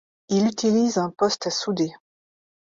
il utilise un poste à souder